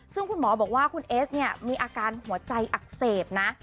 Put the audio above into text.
ซึ่งคุณหมอบอกว่าคุณเอสเนี่ยมีอาการหัวใจอักเสบนะ